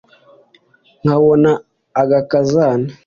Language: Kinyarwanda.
nkabona agakazana